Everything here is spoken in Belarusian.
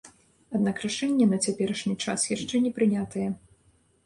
Аднак рашэнне на цяперашні час яшчэ не прынятае.